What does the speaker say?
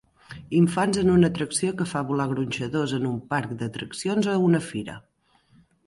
Infants en una atracció que fa volar gronxadors en un parc d'atraccions o una fira.